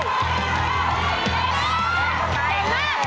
เย้